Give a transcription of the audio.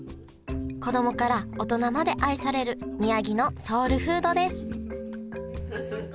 子供から大人まで愛される宮城のソウルフードです